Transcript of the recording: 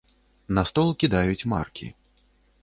На стол кідаюць маркі.